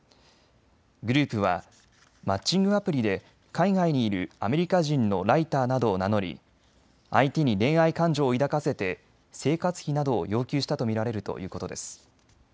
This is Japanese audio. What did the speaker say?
グループはマッチングアプリで海外にいるアメリカ人のライターなどを名乗り、相手に恋愛感情を抱かせて生活費などを要求したと見られるということです。